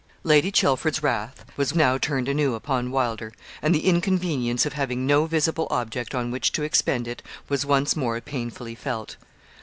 Lady Chelford's wrath was now turned anew upon Wylder and the inconvenience of having no visible object on which to expend it was once more painfully felt.